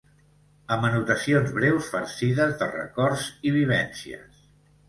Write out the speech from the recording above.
Amb anotacions breus farcides de records i vivències.